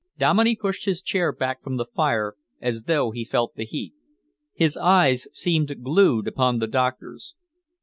Dominey pushed his chair back from the fire as though he felt the heat. His eyes seemed glued upon the doctor's.